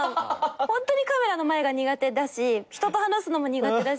ホントにカメラの前が苦手だし人と話すのも苦手だし。